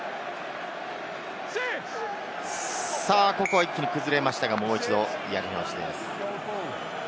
ここは一気に崩れましたが、もう一度やり直しです。